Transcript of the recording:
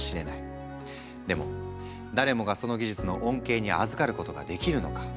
でも誰もがその技術の恩恵にあずかることができるのか？